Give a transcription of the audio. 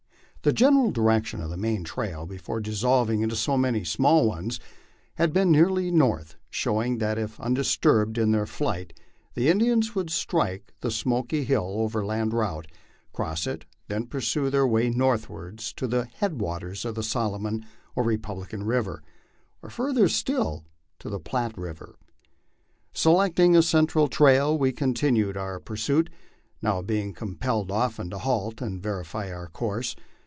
The general direction of the main trail, before dissolving into so many small ones, had been nearly north, showing that if undisturbed in their flight the In dians would strike the Smoky Hill overland route, cross it, then pursue their way northward to the headwaters of the Solomon or Republican river, or fur ther still, to the Platte river. Selecting a central trail, we continued our pur suit, now being compelled often to halt and verify our course.